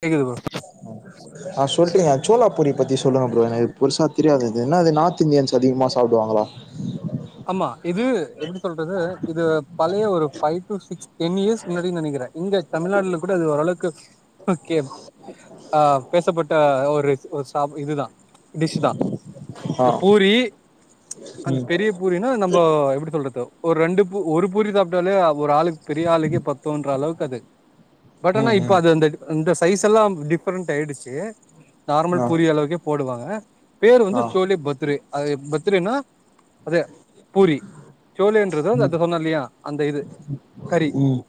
கேக்குது ப்ரோ ஆ சொல்ட்டிங்க சோலாப்பூரி பத்தி சொல்லுங்க ப்ரோ ஏனா அது பொருசா தெரியாது அது என்னா அது நார்த் இந்தியன்ஸ் அதிகமா சாப்டுவாங்களா ஆமா இது எப்டி சொல்றது இது பழைய ஒரு five to six ten years முன்னாடி நெனைக்கிற இங்க தமிழ்நாடுல கூட இது ஓரளவுக்கு ஓகே ஆ பேசப்பட்ட ஒரு ஒரு சாப் இதுதா டிஷ்தா ஆ இந்த பூரி அந்த ம் பெரிய பூரினா நம்போ எப்டி சொல்றது ஒ ரண்டு பூ ஒரு பூரி சாப்ட்டாலே அ ஒரு ஆளுக் பெரிய ஆளுக்கே பத்துன்ற அளவுக்கு அது பட் அஆனா ம் இப்ப ம் அது இந்த இந்தஸ் சைஸெல்லா டிஃப்ரெண்ட் ஆயிடுச்சு நார்மல் ஆ பூரி அளவுக்கே போடுவாங்க அ பேர் வந்து ஆ ஷோலே பத்ரெ அது பத்திரெனா அது பூரி சோளேன்றது ம் அது சொன்னல்லையா அந்த இது கறி ம்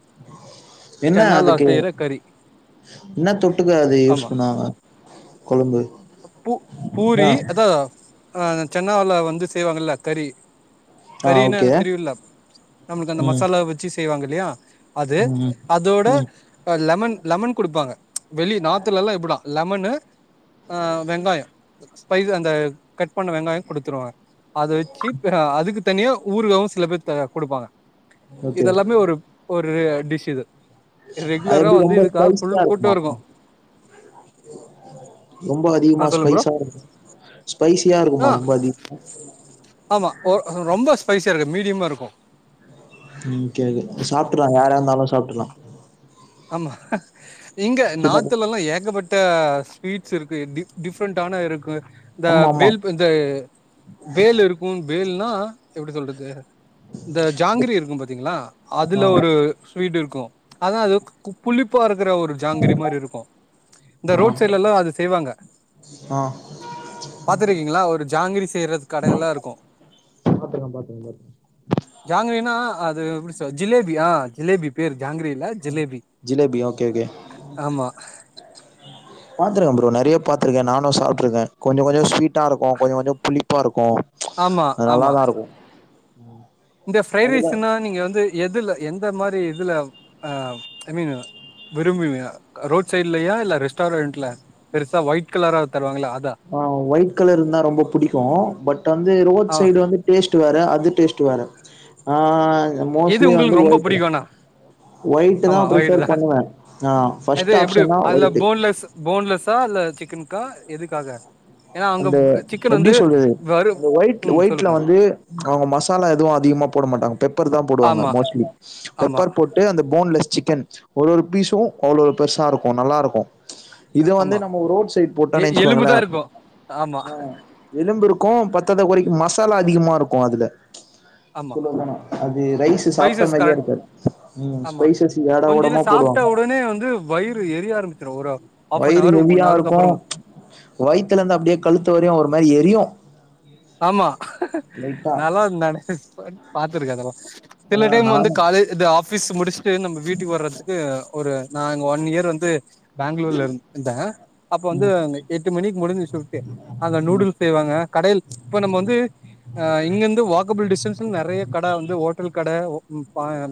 என்ன சென்னாலா அதுக்கு செய்ற கறி என்ன தொட்டுக்க அது யூஸ் ஆமா பண்ணுவாங்க கொழம்பு பூ ஆ பூரி அதா ஆ சென்னாவல்ல வந்து செய்வாங்கல கறி ஆ கறினா ஓகே அதா தெரியுல நம்ளுக்கு அந்த ம் மசாலா வச்சு செய்வாங்க இல்லயா அது ம் ம் அதோட ம் அ லெமன் லெமன் குடுப்பாங்க வெளி நார்த்துலலா இப்ளா லெமன்னு அ வெங்காயோ ஸ்பைஸ் அந்த கட் பண்ண வெங்காயோ குடுத்துருவாங் அத வச் சுத் அ அதுக்கு தனியா ஊறுகாவு சில பேர் த குடுப்பாங்க இதெல்லாமே ஒரு ஒரு டிஷ் இது அது ரெகுலரா எப்டி வந்து ரொம்ப இதுக்காக ஃபுல் ஸ்பைசியா கூட்டோ இருக்குமா இருக்கு ரொம்ப அதிகமா ஆ சொல்லுங்க ப்ரோ ஸ்பைசா இரு ஸ்பைசியா இருக்குமா ஆ ரொம்ப அதி ஆமா ஓ ரொம் ரொம்ப ஸ்பைசியா இருக்கா மீடியமா இருக்கு உம் கேக்கு சாப்ற்லா யாரா இருந்தாலு சாப்ற்லா ம இங்க நாத்துலல்லா ஏகப்பட் ட்ட ஸ்வீட்ஸ் இருக்கு டி டிஃப்ரெண்டான இருக்கு இந்தா ஆமா ஆமா பேல் இந்த பேல் இருக்கு பேல் ஆஹ் எப்டி சொல்றது இந்த ஜாங்கிரி இருக்கு பாத்தீங்களா அதுல ஒரு ஸ்வீட் இருக் க்கு அதா அது கு புளிப்பாற ற ஒரு ஜாங்கிரி மாறி இருக்கு இந்த ஆ ரோட் சைட்லல்லா அது செய்வாங்க ஆ ஆ பாத்திருக்கீங்களா ஒரு ஜாங்கிரி செய்யறது கடயெல்லா இருக்கு பாத்துருக்கே பாத்துருக்கே பாத்துருக்கே ஜாங்கிரனா அது எப்டி ஜிலேபி ஆஹ் ஜிலேபி பேர் ஜாங்கிரி இல்ல ஜிலேபி ஜிலேபியா ஓகே ஓகே ஆமா பாத்துருக்க ப்ரோ நறய பாத்துருக்க நானு சாப்ட்டுருக்க கொஞ்ச கொஞ்ச ஸ்வீட் ட்டா இருக்கு கொஞ்சோ கொஞ்சோ புளிப்பா இருக்கு ஆமா அது ஆமா நல்லாதா இருக்கு இந்த பிஃரைட் அதுல ரைஸ்னா நீங்க வந்து எதுல எந் இந் மாதிரி இதுல ஐ மீன் வெருமீனு ரோட் சைட்லயா இல்ல ரெஸ்டாரண்ட்ல பெருசா ஒயிட் கலரா தருவாங்கள்ள அத் ஆஹ் ஒயிட் கலர் இருந்தா ரொம்ப புடிக்கு பட் வந்து ஆ ரோட் சைடு வந்து டேஸ்ட்டு வேற அது டேஸ்ட் ட்டு வேற ஆ எது மோஸ்ட்லி வந்து உங்களுக்கு ரொம்ப ஒயிட் புடிக்கும்னா ஒயிட் ஆமா வயிடு ப்ரிஃபர் தா பண்ணுவே ஆ அது ஃபர்ஸ்ட் எப்டி ஆப்ஷன்னா அதுல ஒயிட்டு போன்லஸ் போன்லெஸ்ஸா இல்ல சிக்கன் க்கா எதுக்காக ஏன்னா அங்க அந்த சிக்கன் எப்டி வந்து சொல்றது வரு அந்த ஒயிட் ம் ஒயிட்ல சொல்லுங்க வந்து அவங்க மசாலா எதுவு அதிகமா போட மாட்டாங்க பர் தா போடுவாங்க ஆமா மோஸ்ட்லி ஆமா பெப்பர் போட்டு அந்த போன்லெஸ் சிக்கன் ஒரு ஒரு பீஸும் அவ்வளோ பெருசா இருக்கு நல்லாருக்கு இதே வந்து ஆமா நம்ம ரோட் சைட் எ போட்டோம்னு வச்சுக்கோங்களே எலும்புதா இருக்கு ஆமா ஆஹ் எலும்புருக் க்கு பத்தாத கொறைக்கு மசாலா அதிகமா இருக்கு அதுல ஆமா சொல்லர்தானா அது ரைஸ்ஸு சாப்ட்ட ஸ்பைசஸ் மாரியே கரெக்ட் இருக்காது ம் ஆமா ஸ்பைசஸ் கொஞ்ச நேர ஏடாகுடமா சாப்ட்ட போடுவாங்க உடனே வந்து வயிறு எரிய ஆரம்பிச்சிரு ஒரு ஆஃப் அன் வயிறு அவர் ஒன் அவருக்கு ஹெவியாருக்கு அப்புறோ வயித்துல இருந்து அப்டியே கழுத்து வரையு ஒரு மாரி எரி யு ஆமா நல்லா வந் தானே பாத்துருக்க அதல்லா ஆ சில டைம் வந்து நானு காலைய் இது ஆஃப் பீஸ் முடிச்சு ட்டு நம்ம வீட்டுக்கு வர்றதுக்கு ஒரு நா இங்க ஒன் இயர் வந்து பேங்களூர்ல இருந்த அப்போ வந்து ம் அங்க எட்டு மணிக்கு முடிஞ்சிடு சிப்ட்டு அங்க நூடுல்ஸ் செய்வாங்க கடையில் இப்போ நம்ம வந்து அ இங்கிருந்து வாக்கபிள் டிஸ்டன்ஸ்ல நெறைய கட வந்து ஹோட்டல் கட [inaudible]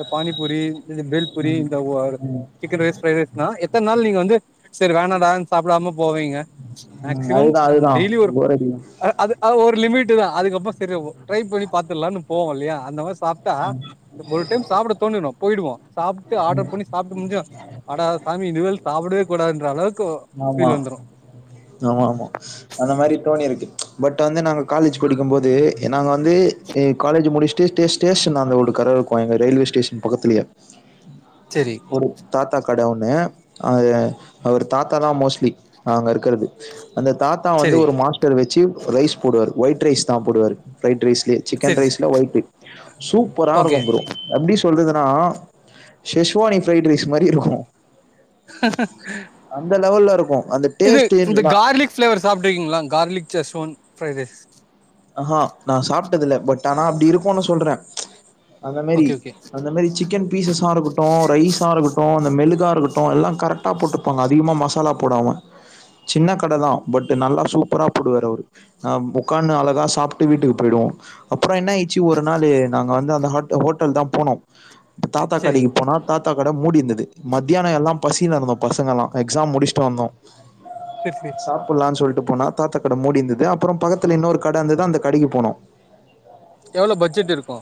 இந்த பானிபூரி இந்த பேல்புரி ம் இந்த உவ சிக்கன் ரைஸ் ஃப்ரைட் ரைஸ்னா எத்தன நாள் நீங்க வந் து செரி வேணாடான் சாப்புடாமப் போவீங்க ம் அதுதா அதுதா போரடிக்கு து அது ஒரு லமிட்டு தா அதுக்கப்புற செரி ட்ரை பண்ணி பத்தர்லான்னு போவோ இல்லைய அந்த மாரி சாப்ட்டா ஒரு டைம் சாப்பிட தோணிர்ன்னு போயிடுவோ சாப்ட்டு ஆடர் பண்ணி சாப்ட்டு முடிஞ்சோ ஆடா சாமி இனிமேல் சாப்பிடவே கூடத் என்ற அளவுக் ஆமா ஆமாமா அந்த மாரி தோணிருக்கு பட் வந்து நாங்க காலேஜ் படிக்கும் போது எ நாங்க வந்து எ காலேஜ் முடிச்சுட்டு ஸ்டேஸ் ஸ்டேஷனாண்ட ஒரு கரவுருக்கூ எங்க ரயில்வே ஸ்டேஷன் பக்கத்திலே ம் செரி ஒரு தாத்தா கடை ஒண்ணே அ அவர் தாத்தா தா மோஸ்ட்லி அங்க இருக்கறது அந்த தாத்தா வந்து செரி ஒரு மாஸ்டர் வச்சு ரைஸ் போடுவரு ஒய்ட் ரைஸ் சாப்பிடுவாரு ப்ரரைட் ரைஸ் சிக்கன் செரி ரைஸ்ல ஒய்ட்டு் சூப்பரா ஓகே இருக்கு புரோ எப்டிஸ் சொல்றதுன்னா செஷ்வானி ப்ரைட் ரைஸ் மாரி இருக்கு இருக்கு அந்த [inaudible] இது டேஸ்ட் இந்த நா கார்லிக் பிளேவர் சாப்பிட்டுருக்கீங்களா கார்லிக் செஸ்வொன் ப்ரைட் ரைஸ் அஹா நான் சாப் டதுல்ல பட் ஆனா அப்டி இருக்குனு சொல்றே அந்த மேரி ஓகே ஓகே அந்த மேரி சிக்கன் பீசஸாஇருகட்டு ரைஸாருக்கட்டு அந்த மெழுகு இருக்கட்டு எல்லா கரெட்டா போட்டுருப்பாங்க அதிகமா மசாலா போடாம சின்னகட தா பட்டு நல்லா சூப்பரா போடுவரு அவ்ரு அ உட்கான்னு அல சாப்ட்டு வீட்டுக்கு போய்டுவோ அப்புற என்ன ஆயிச்சு ஒரு நாளு நாங்க வந்து அந்த ஹாட் ஹோட்டல் தான் போனோ தாத்தா சரி கடிக்கு போனா தாத் தாதா கட மூடிந்துது மத்தியான எல்லா பசில இருந்தோ பசங்கல்லா எக்ஸாம் முடிஸ்ட்டு வந்தோ சரி சரி சாப்புட்லான் சொல்ட்டு போனா தாத்தக்கட மூடிந்துது அப்புற பக்கத்தில இன்னொருக் கடந்துது அந்த கடைக்கு போனோ எவ்ளோ பட்ஜெட் இருக்கு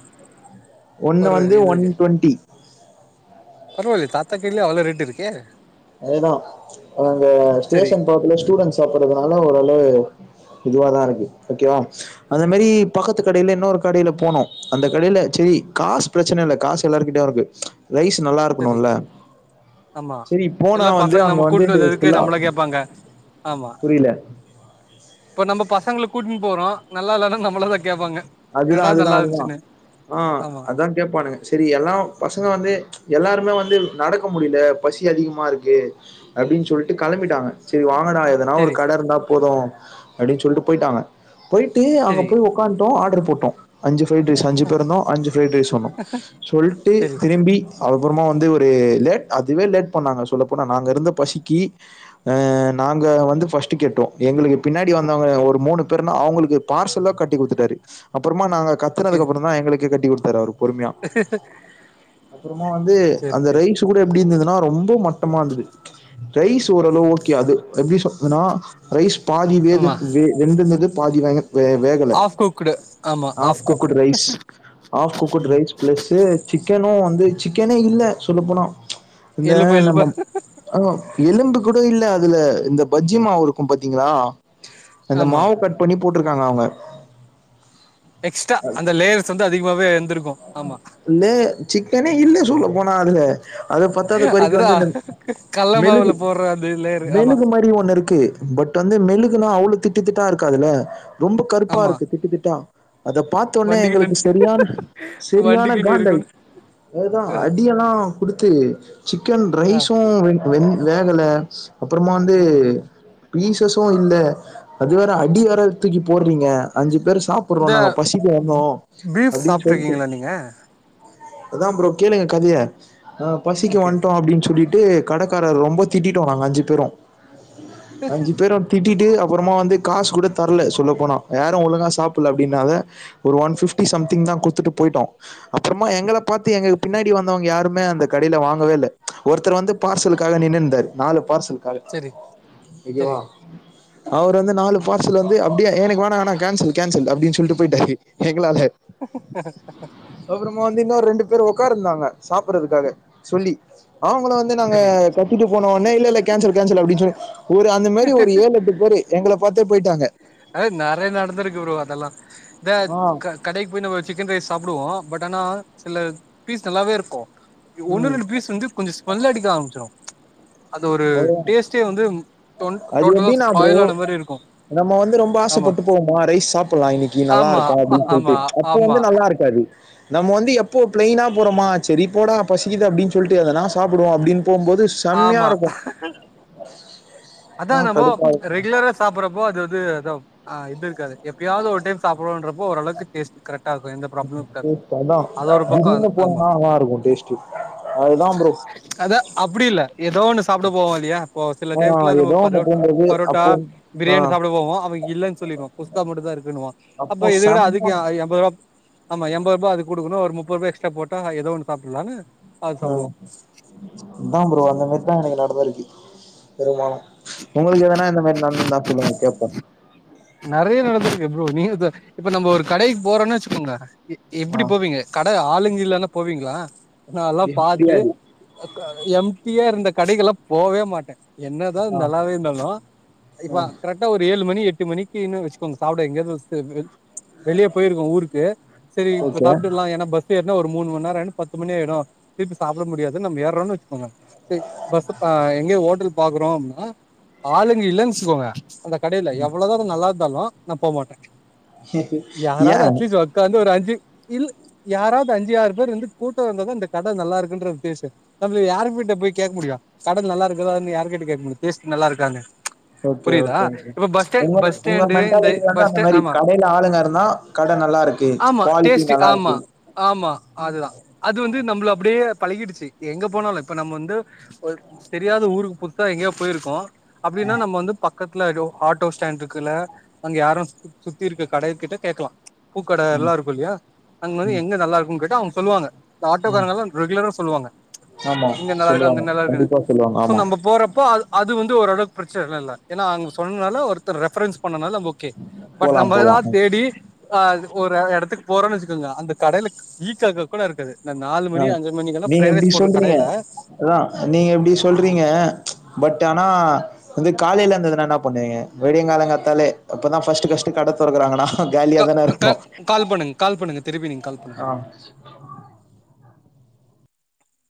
ஒண்ணு வந்து ஒன் டுவெண்டி பரவால்லே தாத்தா கைல அவ்ளவ் ரெட் இருக்கே அவ்ளதா அங்க சரி ஸ்டேஷன் போறத்துல ஸ்டூடெண்ட்ஸ் போறதுனால ஓரளவு இதுவாதாருக்கு ஓகேவா அத மேரி பக்கத்து கடையில இன்னொரு கடையில போனோ அந்த கடையில செரி காசு பிரச்சன இல்ல காசு எல்லார்கிட்டயு இருக்கு ரைஸ் நல்லா சரி இருக்கணுல்ல ஆமா எல்லா பசங்க கூட்ன்னு வந்தது எதுக்குன்னு எல்லா நம்மள கேப்பாங்க ஆமா புரியல அப்ப நம்ப பசங்கள கூட்டுனு போறோ நல்லால்லனா நம்மளதா அதுதா அதுதா அதுதா ஆமா அத கேப்பானுங்க சரி எல்லா பசங்க வந்து எல்லாரு ல்லா வந்து நடக்க முடில பசி அதிகமா இருக்கு அப்டின் சொல்ட்டு களம்பிட்டாங்க செரி வாங் வாடா எதுனா ஒரு சரி கட இருந்தா போது அப்டின் சொல்ட்டு போய்ட்டாங்க போய்ட்டு அங்க சரி போய் ஒக்காந் ட்டோ ஆர்டர் போட்டோ அஞ்சு ப்ஃரைட் ரைஸ் அஞ்சு பேருந்து அஞ்சு ப்ஃரைட் ரைஸ் சொன்னோ சொல்லிட்டு சரி திரும்பி அப்புறமா வந்து இவுரு லேட் அதுவே லேட் பண்ணாங்க சொல்லப்போனா நாங்க இருந்த பஸிக்கி அ நாங்க வந்து ஃபஸ்ட்டு கேட்டோ எங்களுக்கு பின்னாடி வந்தவங்க ஒரு மூணு பேருனா அவங்களுக்கு பார்சலா கட்டி குடுத்துட்டாரு அப் அப்புறமா நாங்க ஓகே கத்துனதுக்கு அப்புறோ தா எங்களுக்கு கே கட்டி கொடுத்தாரு அவுருப் பொறுமையா அப்புறமா வந்து சரி அந்த சரி ரைஸ் கூட எப்பிடி இருந்ததுனா னா ரொம்ப மட்டமா இருந்தது ரைஸ் ஓரளவு ஓகே அது எப்பிடி சொல் எனா ரைஸ் பாதி வேது ஆமா வெந்துருந்தது பாதி வேக வே வேகல ஆஃப் குக்குடு ஆமா half cooked rice, half cooked rice plus sick chicken வந்து சிக்கனே இல்ல சொல்ல போனா இந்த எலும்பு நம்ம எலும்பா அ எலும்பு கூட இல்ல இல்ல இந்த பஜ்ஜி மாவு இருக்கும் பாத்தீங்களா அந்த ஆமா மாவ கட் பண்ணி போட்ருக்காங்க அவுங்க எக்ஸ்ட்ரா அந்த லேயர்ஸ் வந்து அதிகமாவே இருந்திருக்கு ஆமா இல்லே சிக்கனே இல்ல சொல்லப் போனா அதுல அத பத்தாத கொறைக்கு அதுதா வந்து அந்த கல்ல மெழுகு மாவுல போடுற அந்த லேயரு ஆமா மெழுகு மாரி ஒன்னு இருக்கு பட் வந்து மெழுகுனா அவ்ளோ திட்டுத்திட் தா இருக்காதுல ரொம்ப கருப்பா ஆமா இருக்கு திட்டுத்திட்டா அத பாத்த ஒன்னே வண்டிக்கு எங்களுக்கு நெனச்சு செரியான சரியான வண்டிக்குன்னு காண்டாய் இருக்குன்னு அதுதா ஆ அடியெல்லா குடுத்து சிக்கன் ஆ ரைஸூ வெ வெந் வேகல அப்பறமா வந்து ம் ம் பீசஸு இல்ல அது வேற அடி வேற தூக்கி போ றீங்க அஞ்சு பேர் சாப்புர்றோ இந்த நாங்க பசிக்கு வந்தோ அப்டின் சொல் ங்களா நீங்க அதா ப்ரோ கேளுங்க கதைய ஆ பசிக்கு ஓகே வண்ட்டோ அப்டின் சொல்லி ட்டு கடக்காரர் ரொம்ப திட்டிட்டோ நாங்க அஞ்சு பேரு அஞ்சு பேரு திட் டிட்டு அப்பறமா வந்து காஸ் கூட தர்ல சொல்லப் போனா யாரு ஒழுங்கா சாப்புல்ல அப்டினால ஒரு ஒன் ஃபிஃப்டி சம்திங் தா குத்துட்டு போய்ட்டோ அப்பறமா எங்கள பாத்து எங்க பின்னாடி வந்தவங்க யாருமே அந்த கடைல வாங்கவே இல்ல ஒருத்தர் வந்து பார்சலுக்காக நின்னுந்தாரு நாலு பார்சல் காலு சரி சரி ஓகேவா அவ்ரு வந்து நாலு பார்சல் வந்து அப்டியே எனக்கு வேணா ஆனா கேன்சல் கேன்சல் அப்டின் சொல்ட்டு போயிட்டாரு எங்களால அப்பறமா வந்து இன்னொரு ரெண்டு பேரு ஒக்காருந்தாங் க சாப்புர்றதுக்காக சொல்லி அவுங்கள வந்து நாங்க சரி கத்திட்டு போன ஒன்னே இல்ல இல்ல கேன்சல் கேன்சல் அப்டின் சொலி ஒரு அந்த மாரி ஒரு ஏழெட்டு பேரு எங்கள பாத்தே போயிட்டாங்க அத நறையா நடந்துருக்கு ப்ரோ அதெல்லா தா ஆ க கடைக் போய் நம்ம சிக்கன் ரைஸ் சாப்டுவோ பட் ஆனா சில பீஸ் நல்லாவே இருக்கு ஒன்னு ம் ரெண்டு பீஸ் வந்து கொஞ்சோ கொல்ல அடிக்க ஆரம்பிச்சிரு அது ஒரு அதுதா டேஸ்ட்டே வந்து டொன் அது டோட்டலா ஷ்பாயிலான மாரி இருக்கு ப ஆமா ஆசப்பட்டு போவோமா ரைஸ் சாப்பல்லா இன்னிக்கு நல்லா ஆமா இருக்கு அப்டின்னு சொல்ட்டு ஆமா அப்ப வந்து ஆமா நல்லா இருக்காது நம்ம வந்து எப்போ பிளைனா போறோமா சேரி போட பசிக்து அப்டின்னு சொல்ட்டு எதனா சாப்டுவோ அப்டின் போம்போது செம்மையா இருக்கு ஹ்ஹ அதா ஆனா நம்போ கடுப்பா இருக்கு ரெகுலரா சாப்பறப்போ அது வந்து தோ அ இது இருக்காது எப்பயாவது ஒரு டைம் சாப்பரோன்றப்போ அப்போ ஓரளவுக்கு டேஸ்ட் கரெக்ட் அதா பக்கோ அது திடீர்னு போனா ஆமா நல்லாருக்கு டேஸ்ட்டு அதுதா ப்ரோ அதா அப்டி இல்ல ஏதோ ஒன்னு சாப்ட போவோ இல்லயா இப்போ சில ஆ டைம் ட்ல நம்ம ஏதோ ஒண்ணு பரோட்டா போம்போது பரோட்டா அப்போ ஆ பிரியாணி சாப்ட போவோ அவுங்க இல்லன்னு சொல்லிருவா குஸ்கா மட்டுந்தா இருக்குனுவா அப்போ அப்ப எதுக்குடா அதுக்கு செம்ம எண்பதுருபா ஆமா என்பதுரூபா அதுக்கு குடுக்கணு ஒரு முப்பரூபா எக்ஸ்ட்ரா போட்டா எதோ ஒண்ணு சாப்ட்றலால ம் அதான் ப்ரோ அந்த மாரிதா எனக்கு நடந்தா இரு வருமானோ உங்களுக்கு எதனா இந்த மாரி நடந் டந்தா சொல்லுங்க கேப்போ நெறயா நடந்திருக்கு ப்ரோ நீங்க இது இப்ப நம்ம ஒரு கடைக்கு போறோனு வெச்சுக்கோங்க எ எப்டி ஆ போவீங்க கட ஆளுங்க இல்லனா போவீங்ளா நா எல்லா பாத்து எப்டியாது க்கா அ எம்டியா இருந்த கடைக்கெல்லா போவே மாட்ட என்னதா ஆ நல்லாவே இருந்தாலு இப்ப ஆ கரெக்டா ஒரு ஏழு மணி எட் ட்டு மணி க்கினு வெச்சுக்கோங்க சாப்பிட எங்கயாவது செப் வெல் வெளிய போயிருக்கோ ஊருக்கு சரி இப்ப ஓகே சாப்பிட்டுக்லா ஏனா பஸ் ஏற என்ன ஒரு மூண் மண் நேரோன் பத்து மணி ஆயிரு திருப்பி சாப்பிட முடியாது நம் ஏர்றோனு வெச்சுக்கோங்க சரி பஸ் ஆ எங்யோ ஹோட்டல் பாக்குறோம்னா ஆளுங்க இல்லனு வெச்சுகோங்க அந்த கடையில எவ்வளோதா பாத்தாலு நா போகமாட்டே ஏ யாராவ்து ஓகே அட்லீஸ் ஒக்காந்து ஒரு அஞ் சு இல் யாராவ்து அஞ்சு ஆறு பேரு இருந்து கூட்டோ வந்ததா இந்த கட நல்லா இருக்குன்றது பேசு நம்ள யார கிட்ட போய் கேக் முடியு கட நல்லா ருக்கதானு யாரு கிட்ட கேக் முடி டேஸ்ட்டு நல்லாருக்கானு ஓகே புரியுதா ஓகே இப்ப பஸ் ஸ்டாண் உங்க உங்க [inaudible] மென்டாலிட்டி வந்து அந்த மாரி கடையில ஆளுங்க இருந்தா கட நல்லா ருக்கு ஆமா குவாலிட்டி டேஸ்ட்டு நல்லா ஆமா ருக்கு து நம்பள அப்டியே பழகிடுச்சி எங்க போனால இப்ப நம்ம வந்து ஒரு தெரியாத ஊருக் புத்சா எங்கேயோ போயிருக்கோ அப்டின்னா நம்ம வந்து பக்கத் துல ஆட்டோ ஸ் டாண்ட்ருக்குல அங்க யாரு சு சுத்தி இருக்க கடைய கிட்ட கேக்கலா பூக்கட எல்லா ருக்கு இல்லியா அங் வந்து எங்க நல்லா ருக்கும் கேட்டு அவுங் சொல்லுவாங்க இந்த ஆட்டோக்காரங்க எல்லா ரெகுலரா சொல்லுவாங்க ஆமா ச்ச் இங்க நல்லா ருக்கு அங்க சொல்லுவாங்க நல்லா ருக்குனு கண்டிப்பா சொல்லுவாங்க சோ ஆமா நம்ப போறப்போ அது அது வந்து ஓரளவு ப்ரெச்சலா இல்ல ஏன்னா அங் சொன்னால ஒரு த்தர் ரெஃப்ரன்ஸ் பண்ணனால ஓகே பட் போலா நம்ம எல்லா போலா தேடி ஆ அது ஒரு அ எடத்துக் போறோன் வச்சுக்குங்க அந்த கடையில க் ஈ காக்கா கூட இருக்காது இந்த நாலு அ மணி அஞ்சு மணிக்கெல்லா நீங்க ஃப்ரைட் இப்டி ரைஸ் போடுற சொல்றீங்க கடையில அதா நீங்க இப்டி சொல்றீங்க ச்ச் பட் ஆனா வந்து காலையில இருந்ததுனா என்னா பண்வீங்க வெடியங் காலங்கத்தாலே இப்பதா ஃபஸ்ட்டு ஃபஸ்ட்டு கட தொறக்குறாங்கனா தா அ த கால் பண்ணுங் கால் பண்ணுங்க திருப்பி நீங்க கால் பண்ணுங்க ஆ.